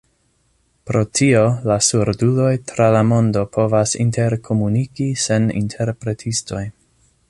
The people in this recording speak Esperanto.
Pro tio la surduloj tra la mondo povas interkomuniki sen interpretistoj!